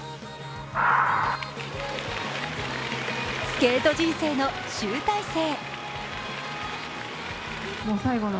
スケート人生の集大成。